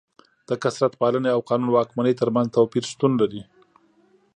د کثرت پالنې او قانون واکمنۍ ترمنځ توپیر شتون لري.